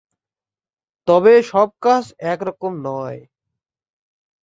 তবে সব কাজ একরকম নয়।